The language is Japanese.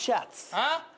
あっ？